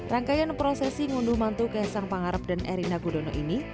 rangkaian prosesi ngunduh mantu kaisang pangarep dan erina gudono ini